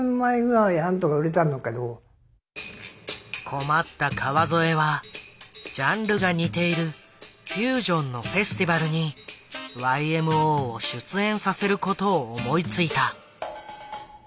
困った川添はジャンルが似ているフュージョンのフェスティバルにＹＭＯを出演させることを思いついた。